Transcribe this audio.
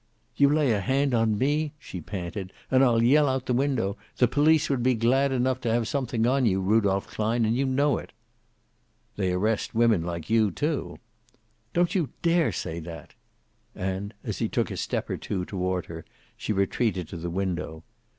"You lay a hand on me," she panted, "and I'll yell out the window. The police would be glad enough to have something on you, Rudolph Klein, and you know it." "They arrest women like you, too." "Don't you dare say that." And as he took a step or two toward her she retreated to the window.